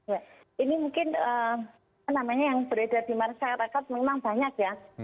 ya ini mungkin yang beredar di masyarakat memang banyak ya